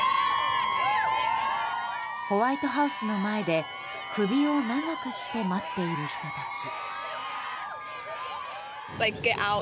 ホワイトハウスの前で首を長くして待っている人たち。